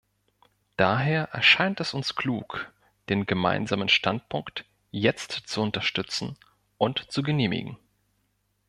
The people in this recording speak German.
Daher erscheint es uns klug, den gemeinsamen Standpunkt jetzt zu unterstützen und zu genehmigen.